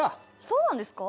そうなんですか？